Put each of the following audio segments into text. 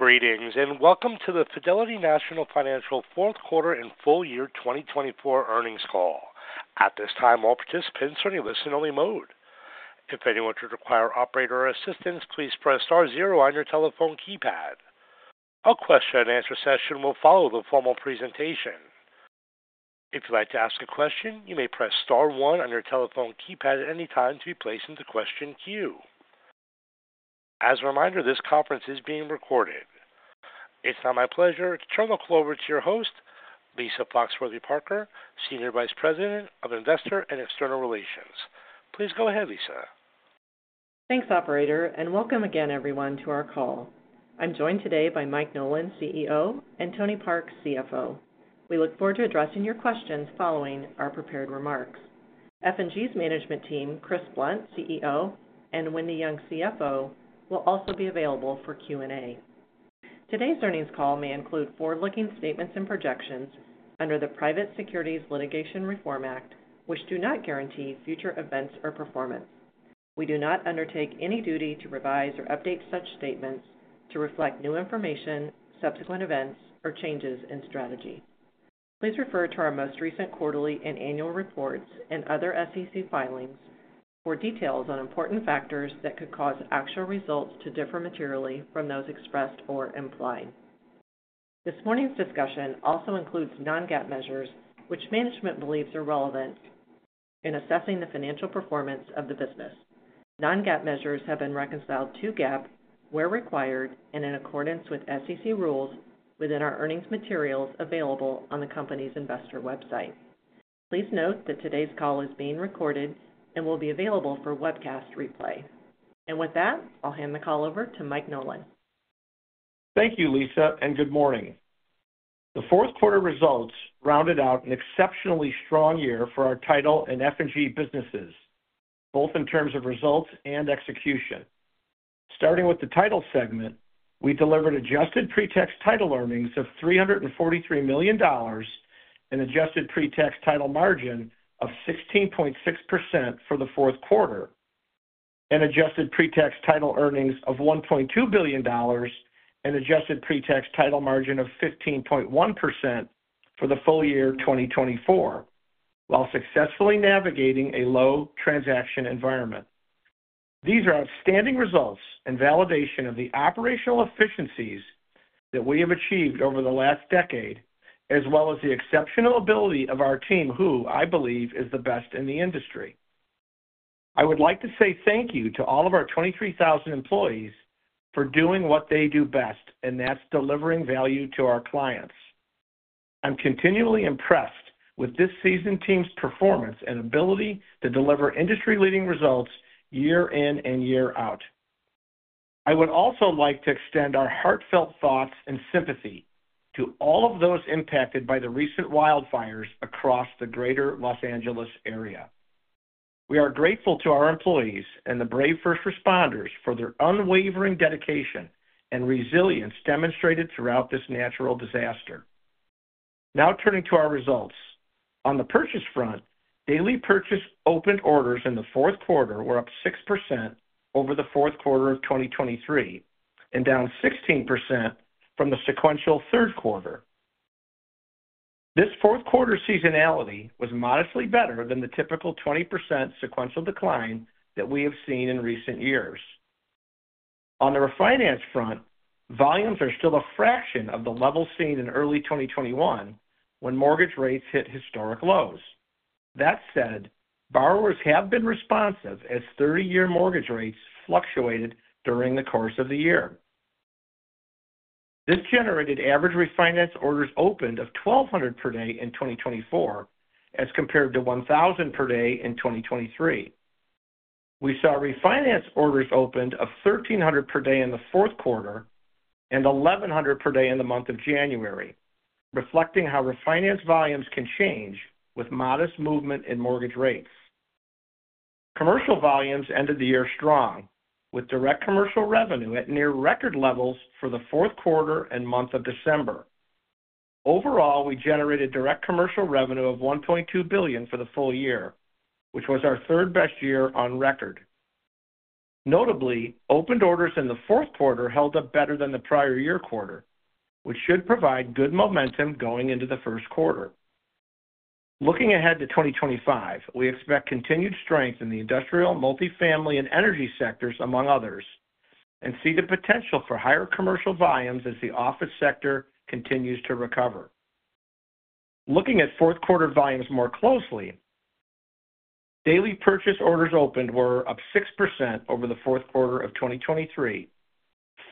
Greetings and welcome to the Fidelity National Financial Fourth Quarter and Full Year 2024 Earnings Call. At this time, all participants are in listen-only mode. If anyone should require operator assistance, please press star zero on your telephone keypad. A question-and-answer session will follow the formal presentation. If you'd like to ask a question, you may press star one on your telephone keypad at any time to be placed in the question queue. As a reminder, this conference is being recorded. It's now my pleasure to turn the call over to your host, Lisa Foxworthy-Parker, Senior Vice President of Investor and External Relations. Please go ahead, Lisa. Thanks, Operator, and welcome again, everyone, to our call. I'm joined today by Mike Nolan, CEO, and Tony Park, CFO. We look forward to addressing your questions following our prepared remarks. F&G's Management Team, Chris Blunt CEO, and Wendy Young, CFO, will also be available for Q&A. Today's earnings call may include forward-looking statements and projections under the Private Securities Litigation Reform Act, which do not guarantee future events or performance. We do not undertake any duty to revise or update such statements to reflect new information, subsequent events, or changes in strategy. Please refer to our most recent quarterly and annual reports and other SEC filings for details on important factors that could cause actual results to differ materially from those expressed or implied. This morning's discussion also includes non-GAAP measures, which management believes are relevant in assessing the financial performance of the business. Non-GAAP measures have been reconciled to GAAP where required and in accordance with SEC rules within our earnings materials available on the company's investor website. Please note that today's call is being recorded and will be available for webcast replay. And with that, I'll hand the call over to Mike Nolan. Thank you, Lisa, and good morning. The fourth quarter results rounded out an exceptionally strong year for our title and F&G businesses, both in terms of results and execution. Starting with the title segment, we delivered adjusted pre-tax title earnings of $343 million and adjusted pre-tax title margin of 16.6% for the fourth quarter, and adjusted pre-tax title earnings of $1.2 billion and adjusted pre-tax title margin of 15.1% for the full year 2024, while successfully navigating a low transaction environment. These are outstanding results and validation of the operational efficiencies that we have achieved over the last decade, as well as the exceptional ability of our team, who I believe is the best in the industry. I would like to say thank you to all of our 23,000 employees for doing what they do best, and that's delivering value to our clients. I'm continually impressed with this season's team's performance and ability to deliver industry-leading results year in and year out. I would also like to extend our heartfelt thoughts and sympathy to all of those impacted by the recent wildfires across the greater Los Angeles area. We are grateful to our employees and the brave first responders for their unwavering dedication and resilience demonstrated throughout this natural disaster. Now turning to our results. On the purchase front, daily purchase open orders in the fourth quarter were up 6% over the fourth quarter of 2023 and down 16% from the sequential third quarter. This fourth quarter seasonality was modestly better than the typical 20% sequential decline that we have seen in recent years. On the refinance front, volumes are still a fraction of the level seen in early 2021 when mortgage rates hit historic lows. That said, borrowers have been responsive as 30-year mortgage rates fluctuated during the course of the year. This generated average refinance orders opened of 1,200 per day in 2024 as compared to 1,000 per day in 2023. We saw refinance orders opened of 1,300 per day in the fourth quarter and 1,100 per day in the month of January, reflecting how refinance volumes can change with modest movement in mortgage rates. Commercial volumes ended the year strong, with direct commercial revenue at near record levels for the fourth quarter and month of December. Overall, we generated direct commercial revenue of $1.2 billion for the full year, which was our third best year on record. Notably, opened orders in the fourth quarter held up better than the prior year quarter, which should provide good momentum going into the first quarter. Looking ahead to 2025, we expect continued strength in the industrial, multifamily, and energy sectors, among others, and see the potential for higher commercial volumes as the office sector continues to recover. Looking at fourth quarter volumes more closely, daily purchase orders opened were up 6% over the fourth quarter of 2023,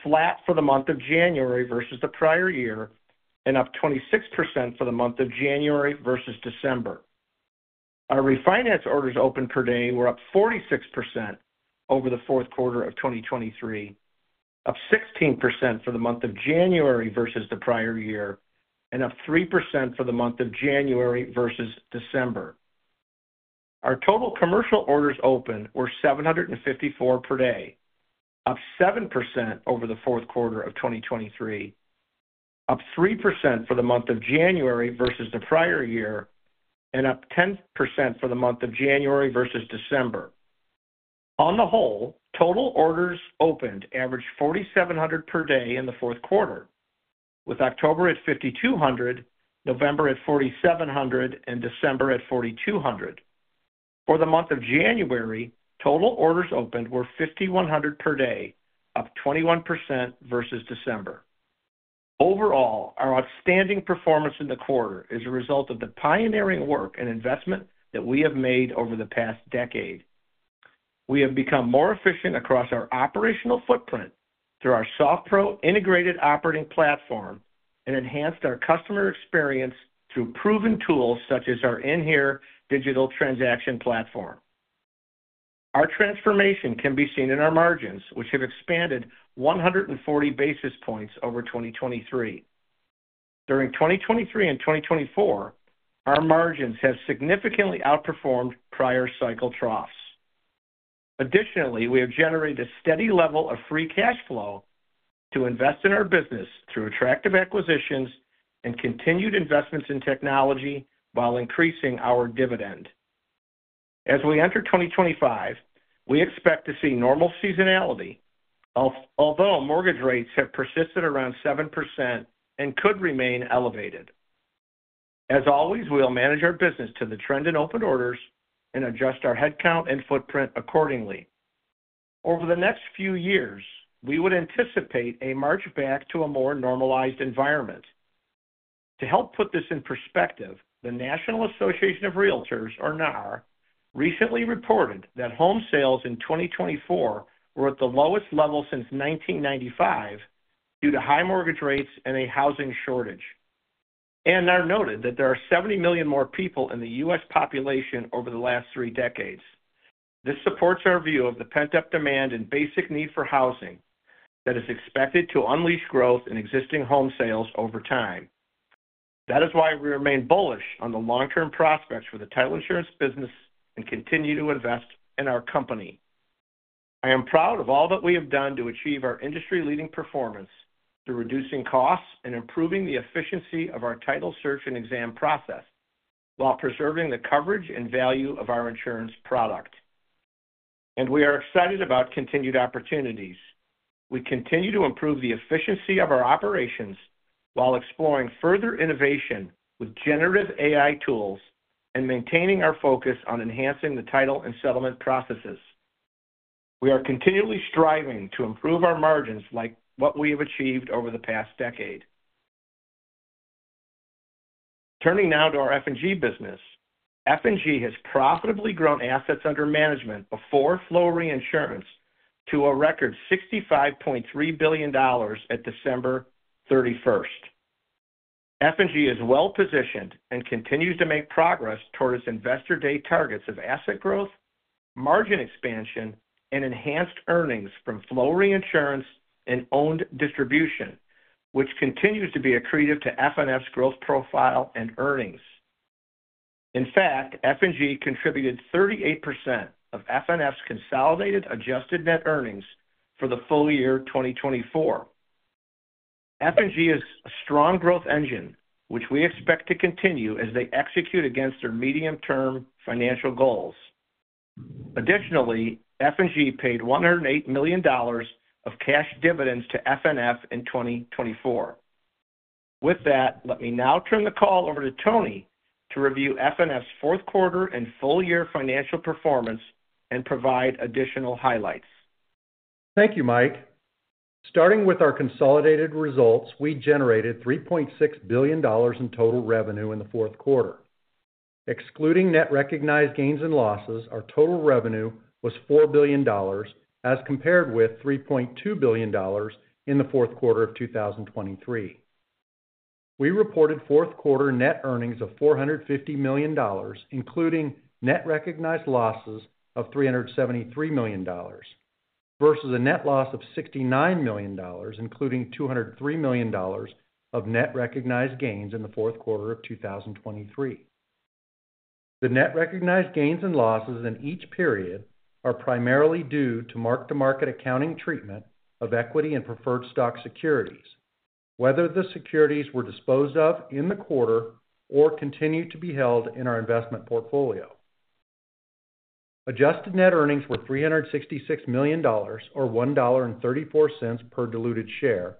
flat for the month of January versus the prior year, and up 26% for the month of January versus December. Our refinance orders opened per day were up 46% over the fourth quarter of 2023, up 16% for the month of January versus the prior year, and up 3% for the month of January versus December. Our total commercial orders opened were 754 per day, up 7% over the fourth quarter of 2023, up 3% for the month of January versus the prior year, and up 10% for the month of January versus December. On the whole, total orders opened averaged 4,700 per day in the fourth quarter, with October at 5,200, November at 4,700, and December at 4,200. For the month of January, total orders opened were 5,100 per day, up 21% versus December. Overall, our outstanding performance in the quarter is a result of the pioneering work and investment that we have made over the past decade. We have become more efficient across our operational footprint through our SoftPro integrated operating platform and enhanced our customer experience through proven tools such as our inHere digital transaction platform. Our transformation can be seen in our margins, which have expanded 140 basis points over 2023. During 2023 and 2024, our margins have significantly outperformed prior cycle troughs. Additionally, we have generated a steady level of free cash flow to invest in our business through attractive acquisitions and continued investments in technology while increasing our dividend. As we enter 2025, we expect to see normal seasonality, although mortgage rates have persisted around 7% and could remain elevated. As always, we will manage our business to the trend in open orders and adjust our headcount and footprint accordingly. Over the next few years, we would anticipate a march back to a more normalized environment. To help put this in perspective, the National Association of Realtors, or NAR, recently reported that home sales in 2024 were at the lowest level since 1995 due to high mortgage rates and a housing shortage, and NAR noted that there are 70 million more people in the U.S. population over the last three decades. This supports our view of the pent-up demand and basic need for housing that is expected to unleash growth in existing home sales over time. That is why we remain bullish on the long-term prospects for the title insurance business and continue to invest in our company. I am proud of all that we have done to achieve our industry-leading performance through reducing costs and improving the efficiency of our title search and exam process while preserving the coverage and value of our insurance product, and we are excited about continued opportunities. We continue to improve the efficiency of our operations while exploring further innovation with generative AI tools and maintaining our focus on enhancing the title and settlement processes. We are continually striving to improve our margins like what we have achieved over the past decade. Turning now to our F&G business, F&G has profitably grown assets under management before flow reinsurance to a record $65.3 billion at December 31st. F&G is well-positioned and continues to make progress toward its investor-day targets of asset growth, margin expansion, and enhanced earnings from flow reinsurance and owned distribution, which continues to be a key driver to FNF's growth profile and earnings. In fact, F&G contributed 38% of FNF's consolidated adjusted net earnings for the full year 2024. F&G is a strong growth engine, which we expect to continue as they execute against their medium-term financial goals. Additionally, F&G paid $108 million of cash dividends to FNF in 2024. With that, let me now turn the call over to Tony to review FNF's fourth quarter and full year financial performance and provide additional highlights. Thank you, Mike. Starting with our consolidated results, we generated $3.6 billion in total revenue in the fourth quarter. Excluding net recognized gains and losses, our total revenue was $4 billion, as compared with $3.2 billion in the fourth quarter of 2023. We reported fourth quarter net earnings of $450 million, including net recognized losses of $373 million, versus a net loss of $69 million, including $203 million of net recognized gains in the fourth quarter of 2023. The net recognized gains and losses in each period are primarily due to mark-to-market accounting treatment of equity and preferred stock securities, whether the securities were disposed of in the quarter or continued to be held in our investment portfolio. Adjusted net earnings were $366 million, or $1.34 per diluted share,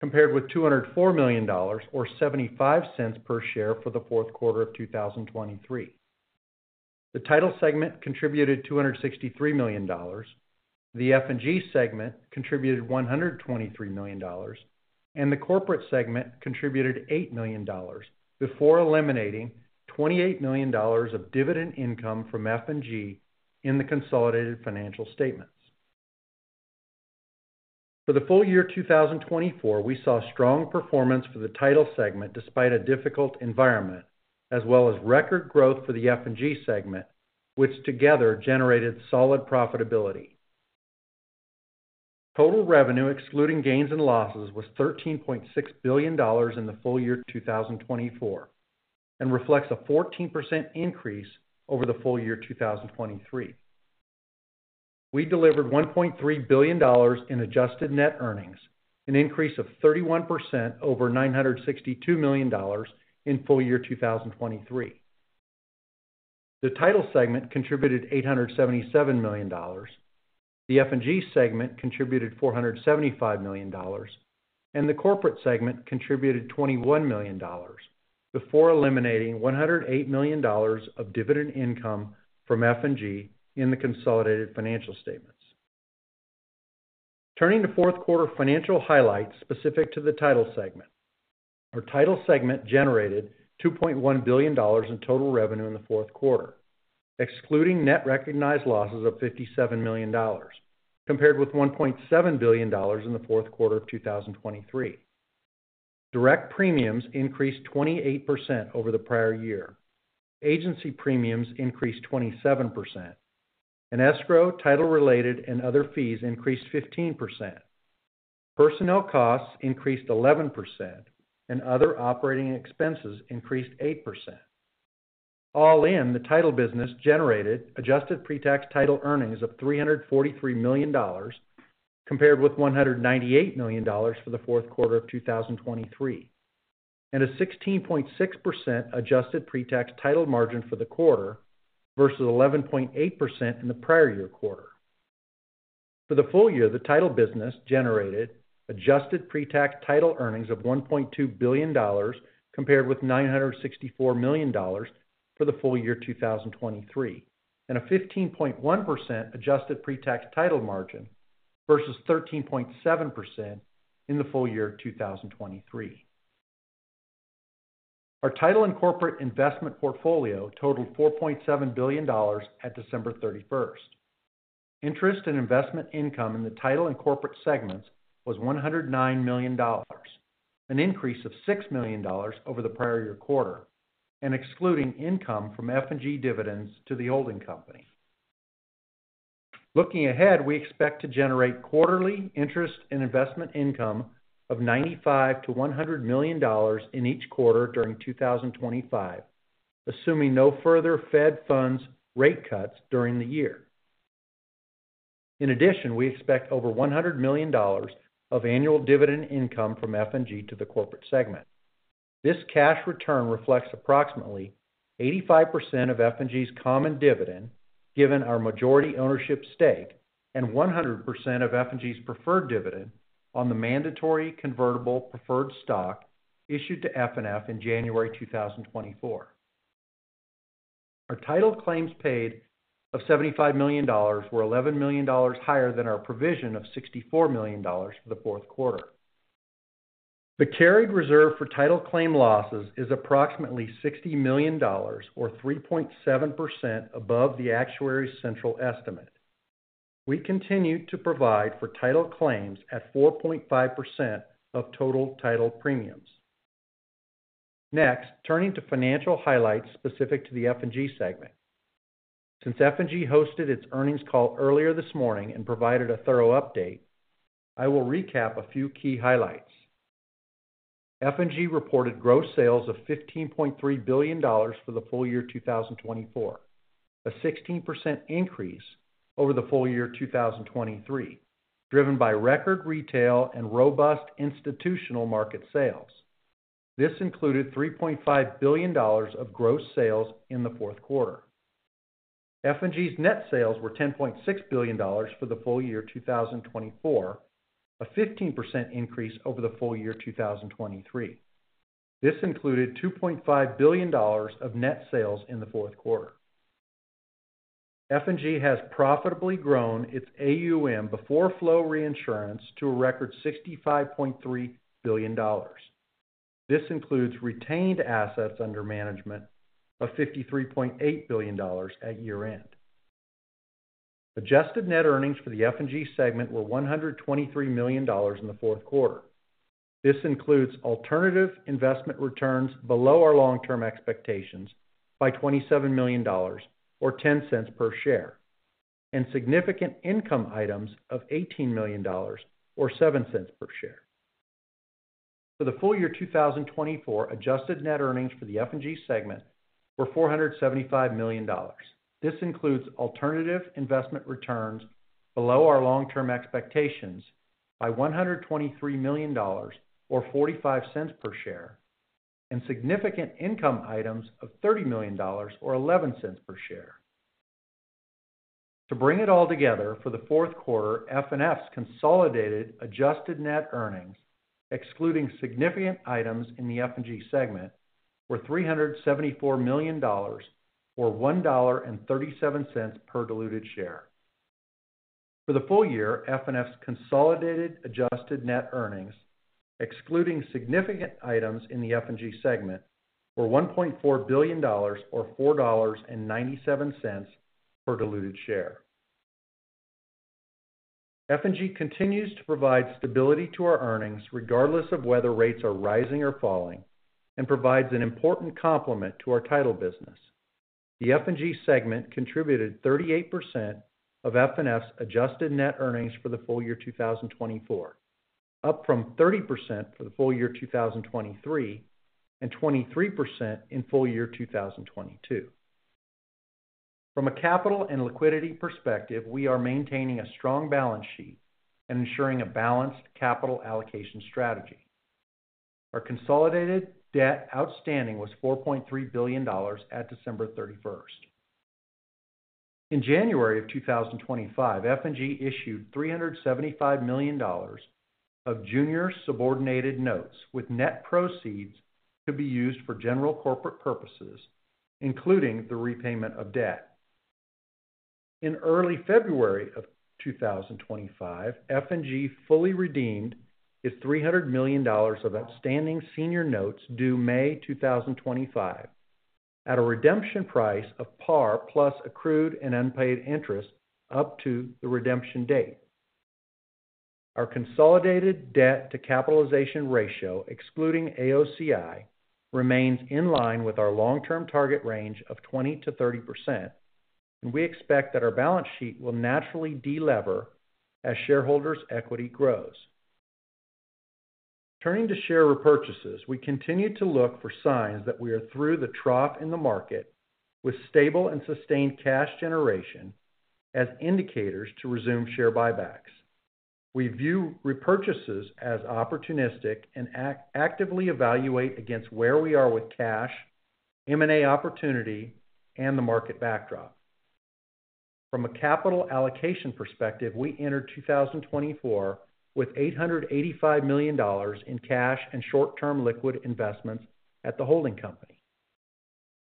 compared with $204 million, or $0.75 per share for the fourth quarter of 2023. The title segment contributed $263 million, the F&G segment contributed $123 million, and the corporate segment contributed $8 million before eliminating $28 million of dividend income from F&G in the consolidated financial statements. For the full year 2024, we saw strong performance for the title segment despite a difficult environment, as well as record growth for the F&G segment, which together generated solid profitability. Total revenue, excluding gains and losses, was $13.6 billion in the full year 2024 and reflects a 14% increase over the full year 2023. We delivered $1.3 billion in adjusted net earnings, an increase of 31% over $962 million in full year 2023. The title segment contributed $877 million, the F&G segment contributed $475 million, and the corporate segment contributed $21 million before eliminating $108 million of dividend income from F&G in the consolidated financial statements. Turning to fourth quarter financial highlights specific to the title segment, our title segment generated $2.1 billion in total revenue in the fourth quarter, excluding net recognized losses of $57 million, compared with $1.7 billion in the fourth quarter of 2023. Direct premiums increased 28% over the prior year. Agency premiums increased 27%, and escrow, title-related, and other fees increased 15%. Personnel costs increased 11%, and other operating expenses increased 8%. All in, the title business generated adjusted pre-tax title earnings of $343 million, compared with $198 million for the fourth quarter of 2023, and a 16.6% adjusted pre-tax title margin for the quarter versus 11.8% in the prior year quarter. For the full year, the title business generated adjusted pre-tax title earnings of $1.2 billion, compared with $964 million for the full year 2023, and a 15.1% adjusted pre-tax title margin versus 13.7% in the full year 2023. Our title and corporate investment portfolio totaled $4.7 billion at December 31st. Interest and investment income in the title and corporate segments was $109 million, an increase of $6 million over the prior year quarter, and excluding income from F&G dividends to the holding company. Looking ahead, we expect to generate quarterly interest and investment income of $95-$100 million in each quarter during 2025, assuming no further Fed funds rate cuts during the year. In addition, we expect over $100 million of annual dividend income from F&G to the corporate segment. This cash return reflects approximately 85% of F&G's common dividend, given our majority ownership stake, and 100% of F&G's preferred dividend on the mandatory convertible preferred stock issued to FNF in January 2024. Our title claims paid of $75 million were $11 million higher than our provision of $64 million for the fourth quarter. The carried reserve for title claim losses is approximately $60 million, or 3.7% above the actuary's central estimate. We continue to provide for title claims at 4.5% of total title premiums. Next, turning to financial highlights specific to the F&G segment. Since F&G hosted its earnings call earlier this morning and provided a thorough update, I will recap a few key highlights. F&G reported gross sales of $15.3 billion for the full year 2024, a 16% increase over the full year 2023, driven by record retail and robust institutional market sales. This included $3.5 billion of gross sales in the fourth quarter. F&G's net sales were $10.6 billion for the full year 2024, a 15% increase over the full year 2023. This included $2.5 billion of net sales in the fourth quarter. F&G has profitably grown its AUM before Flow Reinsurance to a record $65.3 billion. This includes retained assets under management of $53.8 billion at year-end. Adjusted net earnings for the F&G segment were $123 million in the fourth quarter. This includes alternative investment returns below our long-term expectations by $27 million, or $0.10 per share, and significant income items of $18 million, or $0.07 per share. For the full year 2024, adjusted net earnings for the F&G segment were $475 million. This includes alternative investment returns below our long-term expectations by $123 million, or $0.45 per share, and significant income items of $30 million, or $0.11 per share. To bring it all together, for the fourth quarter, FNF's consolidated adjusted net earnings, excluding significant items in the F&G segment, were $374 million, or $1.37 per diluted share. For the full year, FNF's consolidated adjusted net earnings, excluding significant items in the F&G segment, were $1.4 billion, or $4.97 per diluted share. F&G continues to provide stability to our earnings regardless of whether rates are rising or falling and provides an important complement to our title business. The F&G segment contributed 38% of FNF's adjusted net earnings for the full year 2024, up from 30% for the full year 2023 and 23% in full year 2022. From a capital and liquidity perspective, we are maintaining a strong balance sheet and ensuring a balanced capital allocation strategy. Our consolidated debt outstanding was $4.3 billion at December 31st. In January of 2025, F&G issued $375 million of junior subordinated notes with net proceeds to be used for general corporate purposes, including the repayment of debt. In early February of 2025, F&G fully redeemed its $300 million of outstanding senior notes due May 2025 at a redemption price of par plus accrued and unpaid interest up to the redemption date. Our consolidated debt-to-capitalization ratio, excluding AOCI, remains in line with our long-term target range of 20%-30%, and we expect that our balance sheet will naturally delever as shareholders' equity grows. Turning to share repurchases, we continue to look for signs that we are through the trough in the market with stable and sustained cash generation as indicators to resume share buybacks. We view repurchases as opportunistic and actively evaluate against where we are with cash, M&A opportunity, and the market backdrop. From a capital allocation perspective, we entered 2024 with $885 million in cash and short-term liquid investments at the holding company.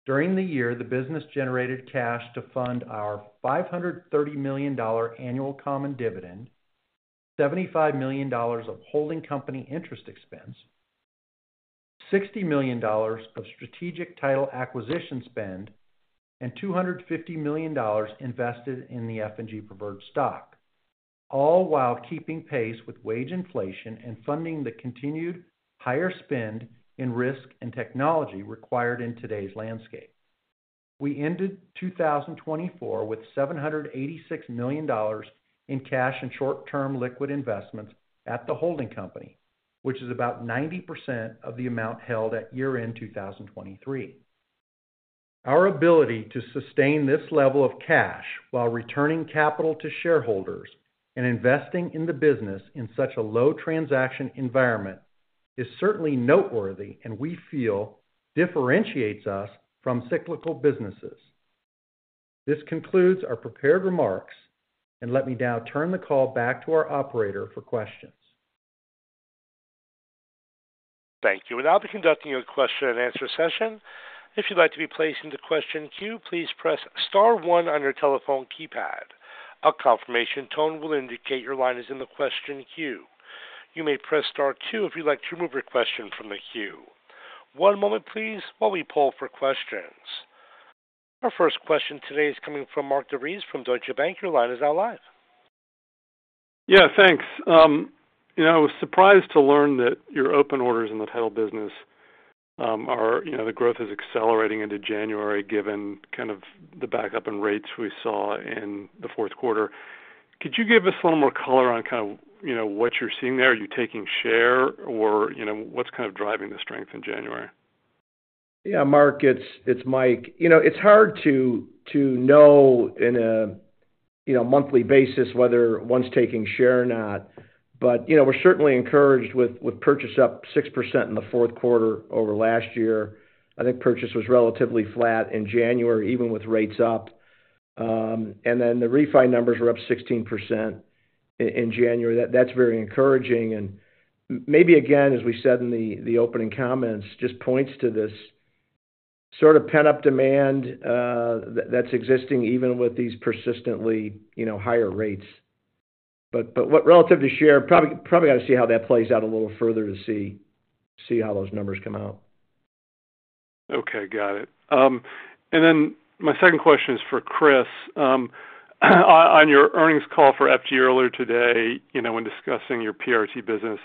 During the year, the business generated cash to fund our $530 million annual common dividend, $75 million of holding company interest expense, $60 million of strategic title acquisition spend, and $250 million invested in the F&G preferred stock, all while keeping pace with wage inflation and funding the continued higher spend in risk and technology required in today's landscape. We ended 2024 with $786 million in cash and short-term liquid investments at the holding company, which is about 90% of the amount held at year-end 2023. Our ability to sustain this level of cash while returning capital to shareholders and investing in the business in such a low transaction environment is certainly noteworthy and we feel differentiates us from cyclical businesses. This concludes our prepared remarks, and let me now turn the call back to our operator for questions. Thank you. We'll now be conducting a question-and-answer session. If you'd like to be placed in the question queue, please press star one on your telephone keypad. A confirmation tone will indicate your line is in the question queue. You may press star two if you'd like to remove your question from the queue. One moment, please, while we pull for questions. Our first question today is coming from Mark DeVries from Deutsche Bank. Your line is now live. Yeah, thanks. You know, I was surprised to learn that your open orders in the title business are, you know, the growth is accelerating into January given kind of the backup and rates we saw in the fourth quarter. Could you give us a little more color on kind of, you know, what you're seeing there? Are you taking share or, you know, what's kind of driving the strength in January? Yeah, Mark, it's Mike. You know, it's hard to know in a, you know, monthly basis whether one's taking share or not, but, you know, we're certainly encouraged with purchase up 6% in the fourth quarter over last year. I think purchase was relatively flat in January, even with rates up. And then the refinance numbers were up 16% in January. That's very encouraging. And maybe again, as we said in the opening comments, just points to this sort of pent-up demand that's existing even with these persistently, you know, higher rates. But what relative to share, probably gotta see how that plays out a little further to see how those numbers come out. Okay, got it, and then my second question is for Chris. On your earnings call for F&G earlier today, you know, when discussing your PRT business,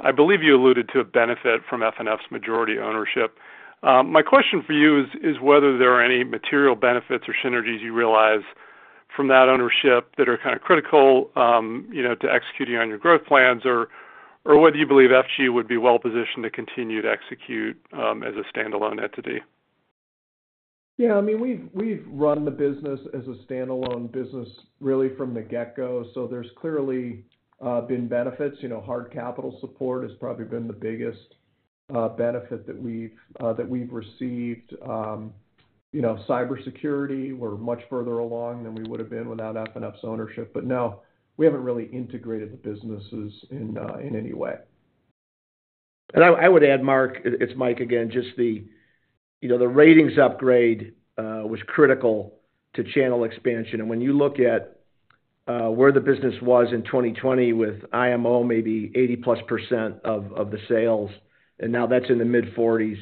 I believe you alluded to a benefit from FNF's majority ownership. My question for you is whether there are any material benefits or synergies you realize from that ownership that are kind of critical, you know, to executing on your growth plans or, or whether you believe F&G would be well positioned to continue to execute as a standalone entity? Yeah, I mean, we've run the business as a standalone business really from the get-go. So there's clearly been benefits. You know, hard capital support has probably been the biggest benefit that we've received. You know, cybersecurity, we're much further along than we would have been without FNF's ownership. But no, we haven't really integrated the businesses in any way. And I would add, Mark, it's Mike again, just, you know, the ratings upgrade was critical to channel expansion. And when you look at where the business was in 2020 with IMO, maybe 80-plus% of the sales, and now that's in the mid-forties,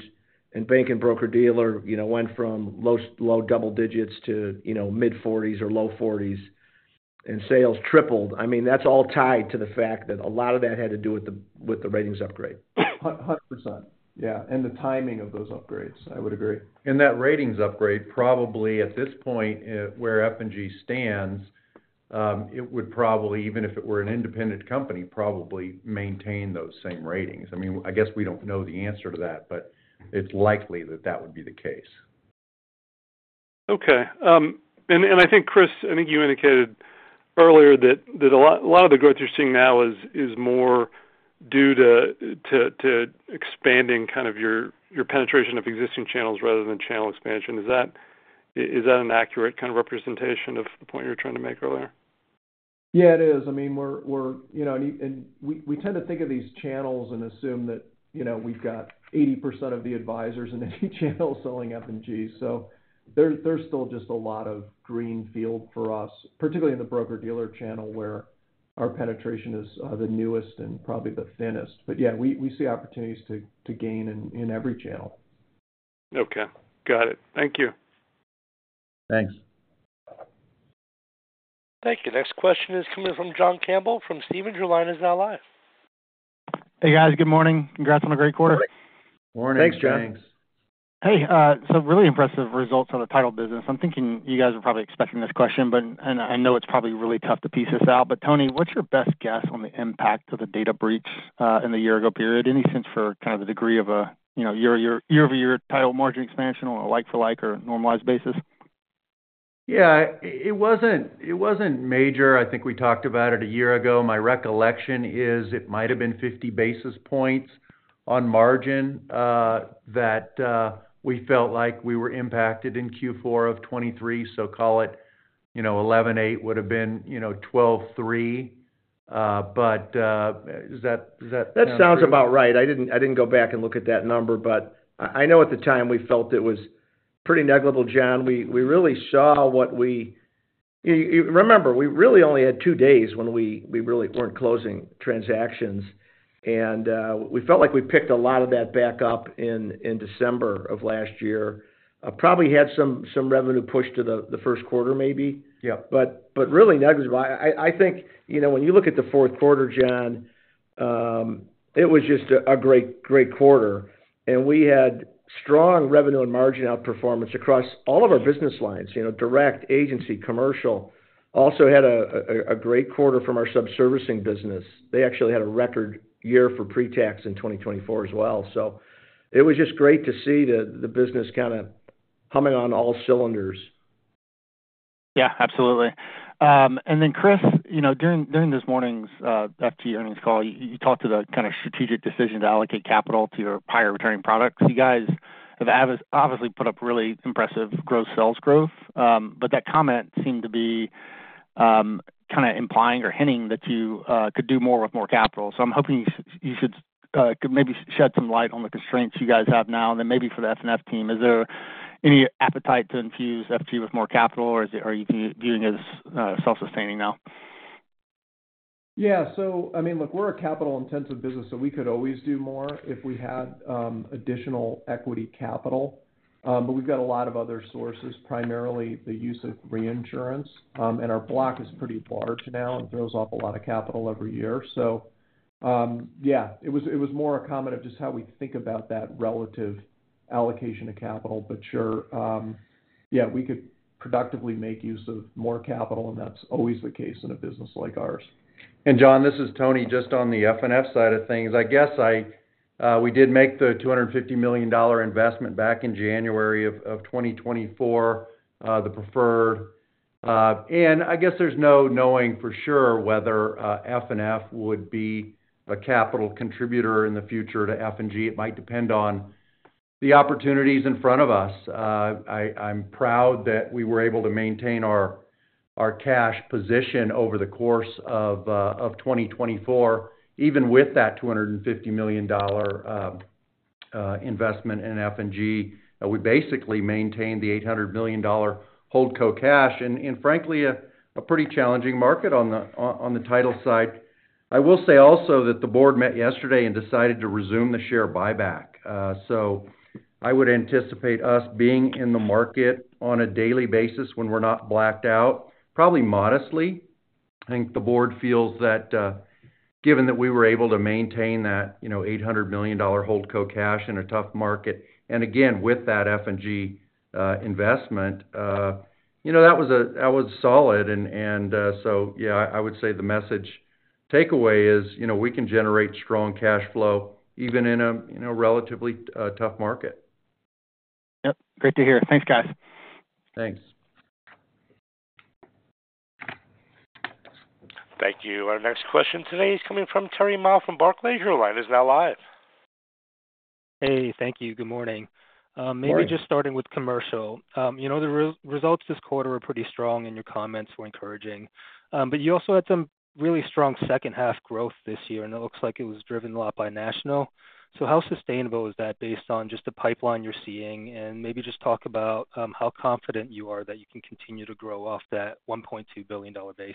and bank and broker-dealer, you know, went from low double digits to, you know, mid-forties or low forties, and sales tripled. I mean, that's all tied to the fact that a lot of that had to do with the ratings upgrade. 100%. Yeah, and the timing of those upgrades, I would agree. That ratings upgrade, probably at this point, where F&G stands, it would probably, even if it were an independent company, probably maintain those same ratings. I mean, I guess we don't know the answer to that, but it's likely that that would be the case. Okay. And I think, Chris, I think you indicated earlier that a lot of the growth you're seeing now is more due to expanding kind of your penetration of existing channels rather than channel expansion. Is that an accurate kind of representation of the point you were trying to make earlier? Yeah, it is. I mean, we're, you know, and we tend to think of these channels and assume that, you know, we've got 80% of the advisors in any channel selling F&G. So there's still just a lot of green field for us, particularly in the broker-dealer channel where our penetration is the newest and probably the thinnest. But yeah, we see opportunities to gain in every channel. Okay. Got it. Thank you. Thanks. Thank you. Next question is coming from John Campbell from Stephens. Your line is now live. Hey, guys. Good morning. Congrats on a great quarter. Morning. Thanks, John. Thanks. Hey, so really impressive results on the title business. I'm thinking you guys are probably expecting this question, but, and I know it's probably really tough to piece this out, but Tony, what's your best guess on the impact of the data breach, in the year-ago period? Any sense for kind of the degree of a, you know, year-over-year title margin expansion or a like-for-like or normalized basis? Yeah, it wasn't major. I think we talked about it a year ago. My recollection is it might have been 50 basis points on margin that we felt like we were impacted in Q4 of 2023. So call it, you know, 11.8 would have been, you know, 12.3. But is that, is that? That sounds about right. I didn't go back and look at that number, but I know at the time we felt it was pretty negligible, John. We really saw what we—you remember—we really only had two days when we weren't closing transactions. And we felt like we picked a lot of that back up in December of last year. Probably had some revenue pushed to the first quarter maybe. Yep. But really negligible. I think, you know, when you look at the fourth quarter, John, it was just a great, great quarter. And we had strong revenue and margin outperformance across all of our business lines, you know, direct, agency, commercial. Also had a great quarter from our sub-servicing business. They actually had a record year for pre-tax in 2024 as well. So it was just great to see the business kind of humming on all cylinders. Yeah, absolutely. And then, Chris, you know, during this morning's F&G earnings call, you talked to the kind of strategic decision to allocate capital to your higher returning products. You guys have obviously put up really impressive gross sales growth. But that comment seemed to be kind of implying or hinting that you could do more with more capital. So I'm hoping you could maybe shed some light on the constraints you guys have now and then maybe for the FNF team. Is there any appetite to infuse F&G with more capital or is it, are you viewing it as self-sustaining now? Yeah. So, I mean, look, we're a capital-intensive business, so we could always do more if we had additional equity capital, but we've got a lot of other sources, primarily the use of reinsurance, and our block is pretty large now and throws off a lot of capital every year. So, yeah, it was more a comment of just how we think about that relative allocation of capital. But sure, yeah, we could productively make use of more capital, and that's always the case in a business like ours. John, this is Tony just on the FNF side of things. I guess we did make the $250 million investment back in January of 2024, the preferred, and I guess there's no knowing for sure whether FNF would be a capital contributor in the future to F&G. It might depend on the opportunities in front of us. I'm proud that we were able to maintain our cash position over the course of 2024, even with that $250 million investment in F&G. We basically maintained the $800 million holdco cash and frankly a pretty challenging market on the title side. I will say also that the board met yesterday and decided to resume the share buyback, so I would anticipate us being in the market on a daily basis when we're not blacked out, probably modestly. I think the board feels that, given that we were able to maintain that, you know, $800 million holdco cash in a tough market, and again, with that F&G investment, you know, that was a, that was solid. And, and, so yeah, I, I would say the message takeaway is, you know, we can generate strong cash flow even in a, you know, relatively tough market. Yep. Great to hear. Thanks, guys. Thanks. Thank you. Our next question today is coming from Terry Ma from Barclays. Your line is now live. Hey, thank you. Good morning. Maybe just starting with commercial. You know, the results this quarter were pretty strong and your comments were encouraging. But you also had some really strong second-half growth this year, and it looks like it was driven a lot by national. So how sustainable is that based on just the pipeline you're seeing? And maybe just talk about how confident you are that you can continue to grow off that $1.2 billion base?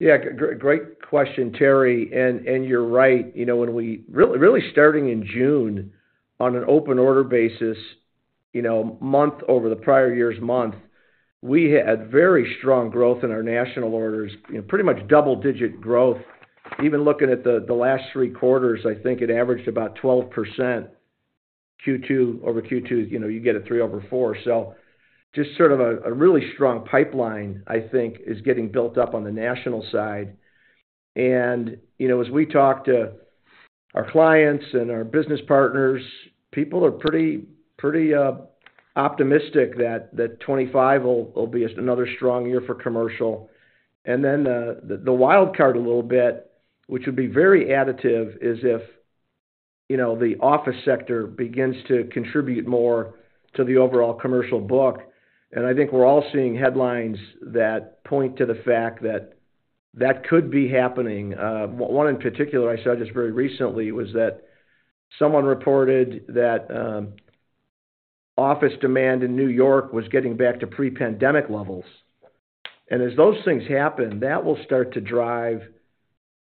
Yeah. Great, great question, Terry. And you're right. You know, when we really started in June on an open order basis, you know, month over the prior year's month, we had very strong growth in our national orders, you know, pretty much double-digit growth. Even looking at the last three quarters, I think it averaged about 12% Q2 over Q2. You know, you get a three over four. So just sort of a really strong pipeline, I think, is getting built up on the national side. And, you know, as we talk to our clients and our business partners, people are pretty optimistic that 2025 will be another strong year for commercial. And then, the wildcard a little bit, which would be very additive, is if, you know, the office sector begins to contribute more to the overall commercial book. And I think we're all seeing headlines that point to the fact that that could be happening. One in particular I saw just very recently was that someone reported that office demand in New York was getting back to pre-pandemic levels. And as those things happen, that will start to drive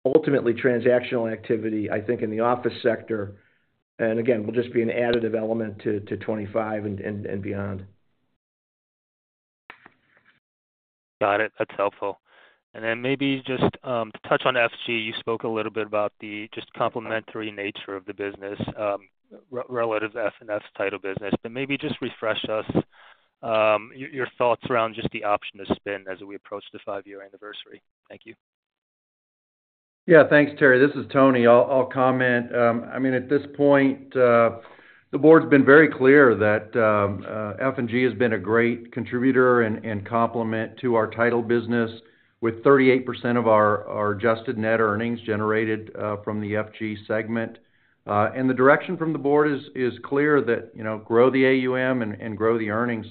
ultimately transactional activity, I think, in the office sector. And again, will just be an additive element to 2025 and beyond. Got it. That's helpful. And then maybe just to touch on F&G, you spoke a little bit about the just complementary nature of the business, relative to FNF title business, but maybe just refresh us, your thoughts around just the option to spin as we approach the five-year anniversary. Thank you. Yeah. Thanks, Terry. This is Tony. I'll comment. I mean, at this point, the board's been very clear that F&G has been a great contributor and complement to our title business with 38% of our adjusted net earnings generated from the F&G segment, and the direction from the board is clear that you know, grow the AUM and grow the earnings.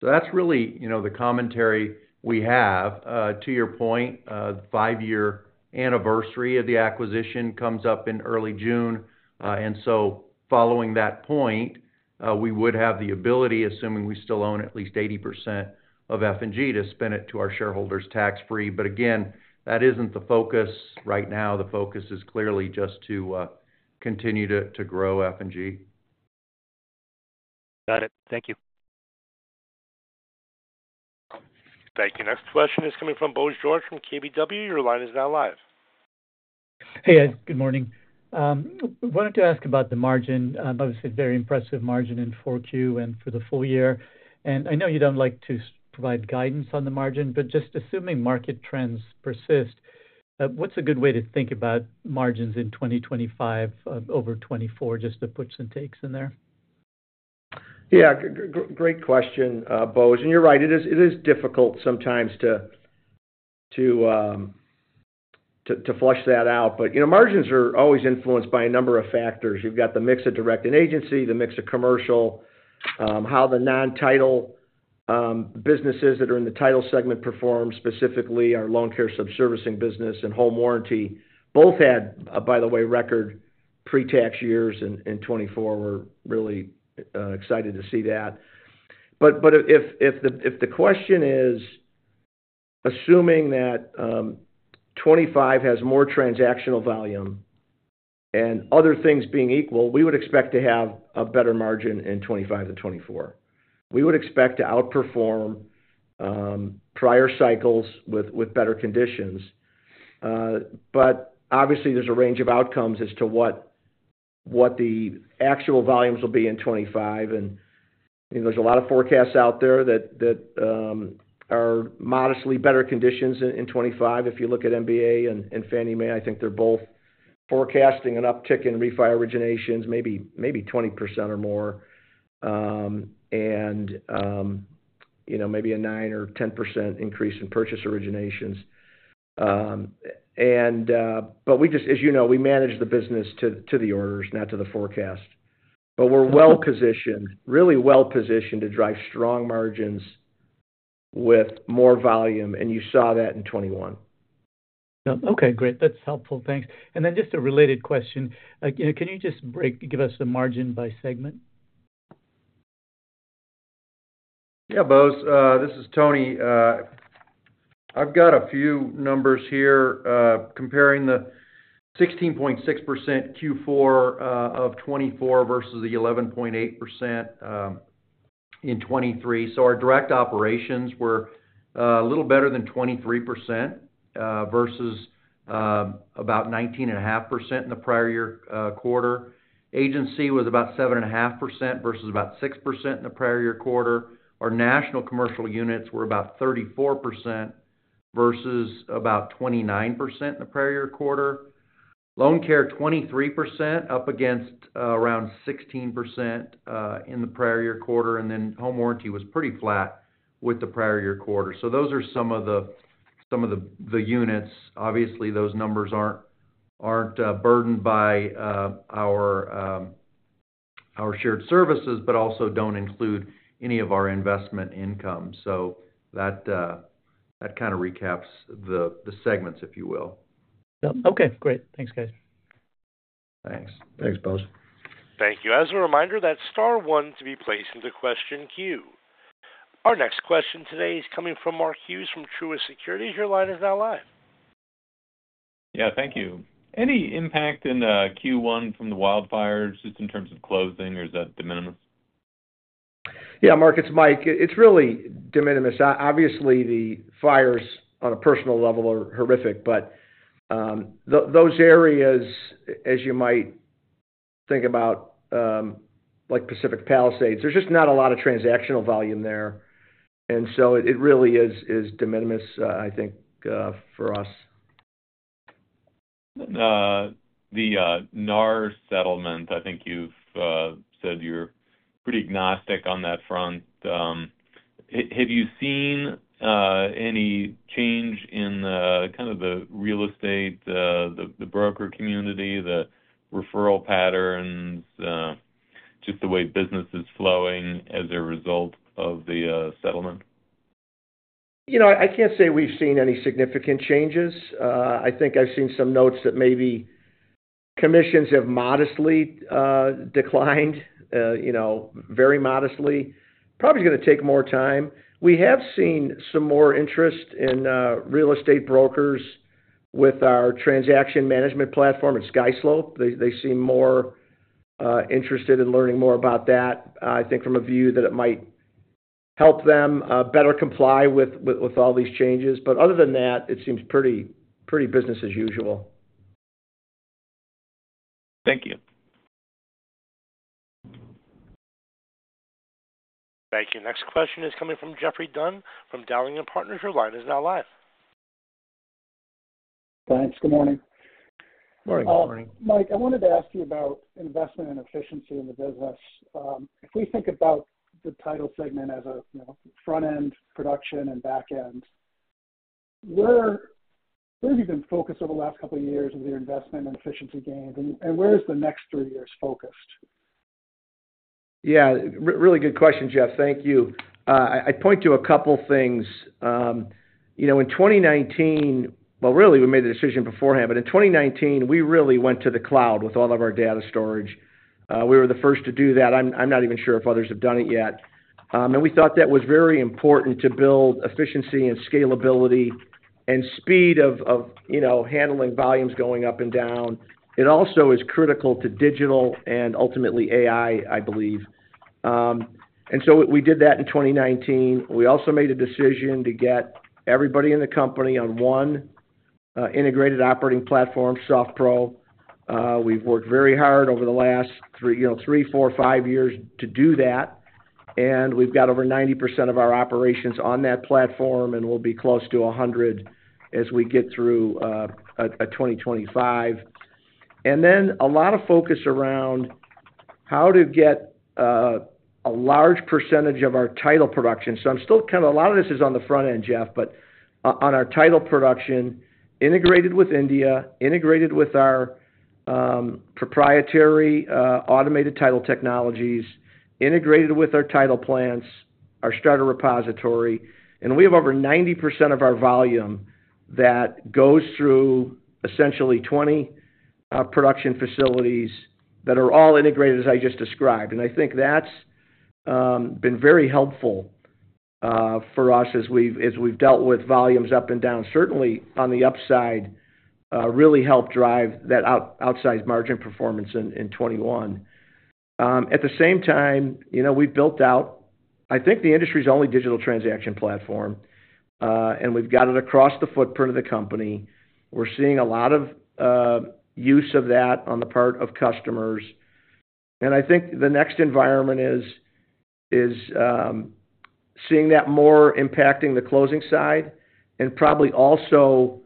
So that's really you know, the commentary we have. To your point, the five-year anniversary of the acquisition comes up in early June, and so following that point, we would have the ability, assuming we still own at least 80% of F&G, to spin it to our shareholders tax-free, but again, that isn't the focus right now. The focus is clearly just to continue to grow F&G. Got it. Thank you. Thank you. Next question is coming from Bose George from KBW. Your line is now live. Hey, Ed. Good morning. I wanted to ask about the margin. Obviously very impressive margin in 4Q and for the full year. I know you don't like to provide guidance on the margin, but just assuming market trends persist, what's a good way to think about margins in 2025 over 2024, just the puts and takes in there? Yeah. Great question, Bose. And you're right. It is difficult sometimes to flush that out. But, you know, margins are always influenced by a number of factors. You've got the mix of direct and agency, the mix of commercial, how the non-title businesses that are in the title segment perform, specifically our LoanCare sub-servicing business and home warranty, both had, by the way, record pre-tax years in 2024. We're really excited to see that. But if the question is assuming that 2025 has more transactional volume and other things being equal, we would expect to have a better margin in 2025 than 2024. We would expect to outperform prior cycles with better conditions. But obviously there's a range of outcomes as to what the actual volumes will be in 2025. You know, there's a lot of forecasts out there that are modestly better conditions in 2025. If you look at MBA and Fannie Mae, I think they're both forecasting an uptick in refi originations, maybe 20% or more, you know, maybe a nine or 10% increase in purchase originations, but we just, as you know, we manage the business to the orders, not to the forecast, but we're well positioned, really well positioned to drive strong margins with more volume, and you saw that in 2021. Yeah. Okay. Great. That's helpful. Thanks and then just a related question, you know, can you just break, give us the margin by segment? Yeah, Bose. This is Tony. I've got a few numbers here, comparing the 16.6% Q4 of 2024 versus the 11.8% in 2023. So our direct operations were a little better than 23% versus about 19.5% in the prior year quarter. Agency was about 7.5% versus about 6% in the prior year quarter. Our national commercial units were about 34% versus about 29% in the prior year quarter. LoanCare 23% up against around 16% in the prior year quarter. And then home warranty was pretty flat with the prior year quarter. So those are some of the units. Obviously, those numbers aren't burdened by our shared services, but also don't include any of our investment income. So that kind of recaps the segments, if you will. Yep. Okay. Great. Thanks, guys. Thanks. Thanks, Bose. Thank you. As a reminder, press star one to be placed into the question queue. Our next question today is coming from Mark Hughes from Truist Securities. Your line is now live. Yeah. Thank you. Any impact in Q1 from the wildfires just in terms of closing or is that de minimis? Yeah, Mark, it's Mike. It's really de minimis. Obviously, the fires on a personal level are horrific, but those areas, as you might think about, like Pacific Palisades, there's just not a lot of transactional volume there. And so it really is de minimis, I think, for us. the NAR settlement, I think you've said you're pretty agnostic on that front. Have you seen any change in kind of the real estate, the broker community, the referral patterns, just the way business is flowing as a result of the settlement? You know, I can't say we've seen any significant changes. I think I've seen some notes that maybe commissions have modestly declined, you know, very modestly. Probably is gonna take more time. We have seen some more interest in real estate brokers with our transaction management platform at SkySlope. They seem more interested in learning more about that, I think from a view that it might help them better comply with all these changes. But other than that, it seems pretty business as usual. Thank you. Thank you. Next question is coming from Geoffrey Dunn from Dowling & Partners. Your line is now live. Thanks. Good morning. Morning. Mike, I wanted to ask you about investment and efficiency in the business. If we think about the title segment as a, you know, front-end production and back-end, where have you been focused over the last couple of years with your investment and efficiency gains, and where is the next three years focused? Yeah. Really good question, Jeff. Thank you. I point to a couple things. You know, in 2019, well, really, we made the decision beforehand, but in 2019, we really went to the cloud with all of our data storage. We were the first to do that. I'm not even sure if others have done it yet, and we thought that was very important to build efficiency and scalability and speed of, of, you know, handling volumes going up and down. It also is critical to digital and ultimately AI, I believe, and so we did that in 2019. We also made a decision to get everybody in the company on one, integrated operating platform, SoftPro. We've worked very hard over the last three, you know, three, four, five years to do that. And we've got over 90% of our operations on that platform, and we'll be close to 100 as we get through 2025. And then a lot of focus around how to get a large percentage of our title production. So I'm still kind of a lot of this is on the front end, Jeff, but on our title production, integrated with India, integrated with our proprietary automated title technologies, integrated with our title plants, our starter repository. And we have over 90% of our volume that goes through essentially 20 production facilities that are all integrated, as I just described. And I think that's been very helpful for us as we've dealt with volumes up and down, certainly on the upside, really helped drive that outsized margin performance in 2021. At the same time, you know, we've built out, I think the industry's only digital transaction platform, and we've got it across the footprint of the company. We're seeing a lot of use of that on the part of customers. And I think the next environment is seeing that more impacting the closing side and probably also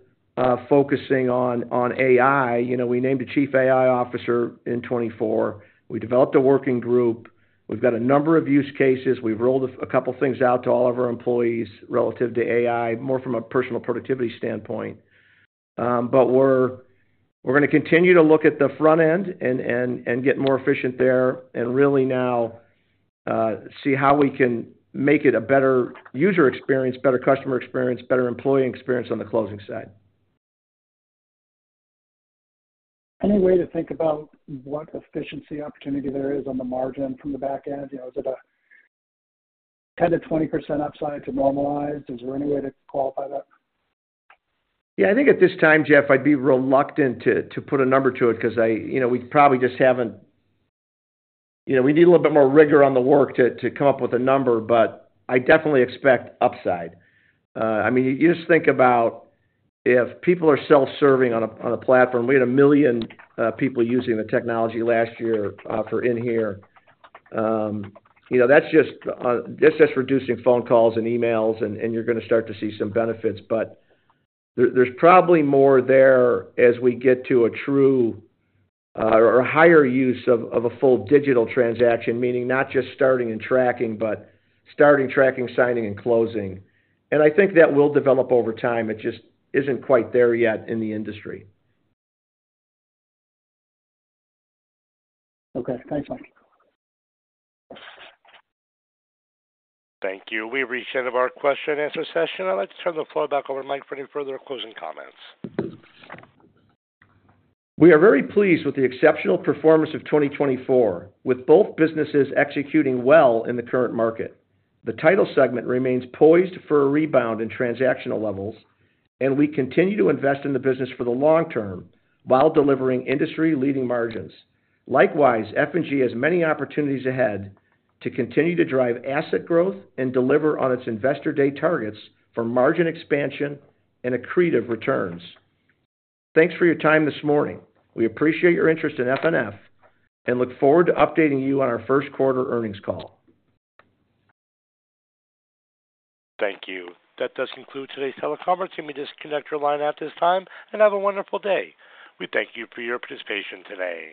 focusing on AI. You know, we named a Chief AI Officer in 2024. We developed a working group. We've got a number of use cases. We've rolled a couple things out to all of our employees relative to AI, more from a personal productivity standpoint. But we're gonna continue to look at the front end and get more efficient there and really now see how we can make it a better user experience, better customer experience, better employee experience on the closing side. Any way to think about what efficiency opportunity there is on the margin from the back end? You know, is it a 10%-20% upside to normalize? Is there any way to qualify that? Yeah. I think at this time, Jeff, I'd be reluctant to put a number to it 'cause I, you know, we probably just haven't, you know, we need a little bit more rigor on the work to come up with a number, but I definitely expect upside. I mean, you just think about if people are self-serving on a platform. We had a million people using the technology last year, for inHere. You know, that's just reducing phone calls and emails, and you're gonna start to see some benefits. But there's probably more there as we get to a true or higher use of a full digital transaction, meaning not just starting and tracking, but starting, tracking, signing, and closing. And I think that will develop over time. It just isn't quite there yet in the industry. Okay. Thanks, Mike. Thank you. We've reached the end of our question-and-answer session. I'd like to turn the floor back over to Mike for any further closing comments. We are very pleased with the exceptional performance of 2024, with both businesses executing well in the current market. The title segment remains poised for a rebound in transactional levels, and we continue to invest in the business for the long term while delivering industry-leading margins. Likewise, F&G has many opportunities ahead to continue to drive asset growth and deliver on its investor-day targets for margin expansion and accretive returns. Thanks for your time this morning. We appreciate your interest in FNF and look forward to updating you on our first quarter earnings call. Thank you. That does conclude today's teleconference. You may disconnect your line at this time and have a wonderful day. We thank you for your participation today.